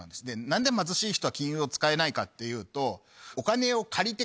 何で貧しい人は金融を使えないかっていうと。